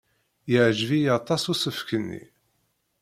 Yeɛjeb-iyi aṭas usefk-nni!